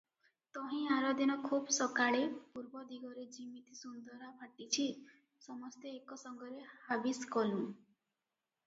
ତହିଁ ଆରଦିନ ଖୁବ୍ ସକାଳେ ପୂର୍ବଦିଗରେ ଯିମିତି ସୁନ୍ଦରାଫାଟିଛି, ସମସ୍ତେ ଏକ ସଙ୍ଗରେ ହାବିସ କଲୁଁ ।